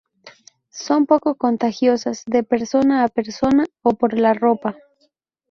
Son poco contagiosas de persona a persona o por la ropa.